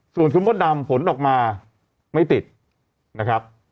ส่วนคุณมดดำผลออกมาไม่ติดนะครับ